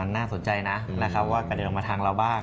น่าสนใจนะว่ากระเด็นออกมาทางเราบ้าง